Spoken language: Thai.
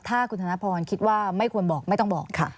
ถ้าคุณธนพรคิดว่าไม่ควรบอกไม่ต้องบอกค่ะ